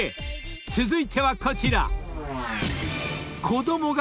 ［続いてはこちら］